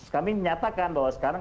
kami menyatakan bahwa sekarang